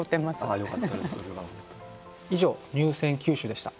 以上入選九首でした。